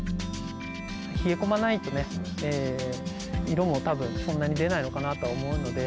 冷え込まないとね、色もたぶん、そんなに出ないのかなとは思うので。